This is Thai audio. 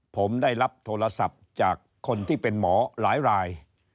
ผมได้รับโทรศัพท์จากคนที่เป็นหมอหลายราย